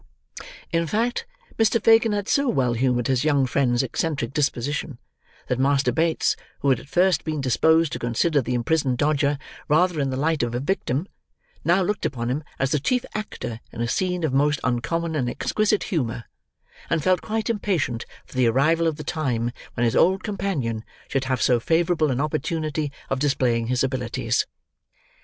In fact, Mr. Fagin had so well humoured his young friend's eccentric disposition, that Master Bates, who had at first been disposed to consider the imprisoned Dodger rather in the light of a victim, now looked upon him as the chief actor in a scene of most uncommon and exquisite humour, and felt quite impatient for the arrival of the time when his old companion should have so favourable an opportunity of displaying his abilities.